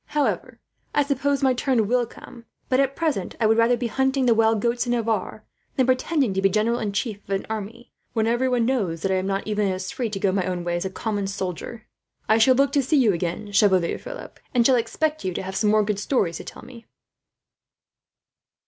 However, I suppose my turn will come; but at present, I would rather be hunting the wild goats in Navarre than pretending to be general in chief of an army, when everyone knows that I am not even as free to go my own way as a common soldier. "I shall look to see you again, Chevalier Philip; and shall expect you to have some more good stories to tell me."